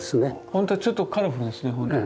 ほんとちょっとカラフルですね。